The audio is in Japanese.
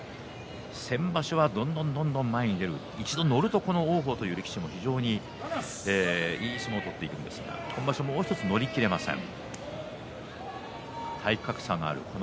先場所はどんどん前に出る一度乗ると王鵬は非常にいい相撲を取るんですが今場所いまひとつ乗りきれません。